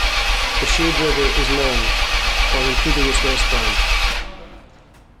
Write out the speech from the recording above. The Shade River is long, or including its west branch.